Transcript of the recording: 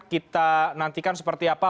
kita nantikan seperti apa